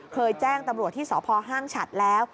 เคยแจ้งตำรวจที่สพห้างฉัดแล้ว